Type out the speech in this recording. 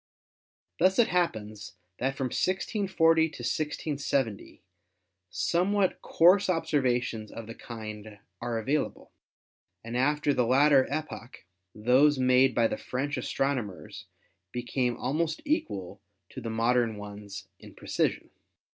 Thus it happens that from 1640 to 1670 some what coarse observations of the kind are available, and after the latter epoch those made by the French astrono mers become almost equal to the modern ones in precision.